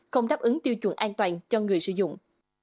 không đáp ứng tiêu chuẩn an toàn cho người sử dụng